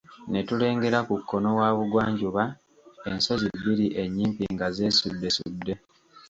Ne tulengera ku kkono wa bugwanjuba ensozi bbiri ennyimpi nga zeesuddesudde.